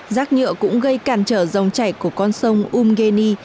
rác nhựa cũng gây cản trở dòng chảy của con sông umgeni